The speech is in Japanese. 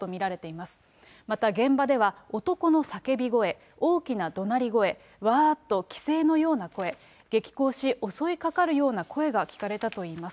また現場では、男の叫び声、大きなどなり声、わーっと奇声のような声、激高し、襲いかかるような声が聞かれたといいます。